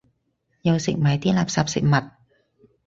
又食埋啲垃圾食物